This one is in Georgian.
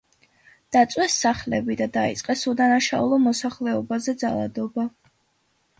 დაწვეს სახლები და დაიწყეს უდანაშაულო მოსახლეობაზე ძალადობა.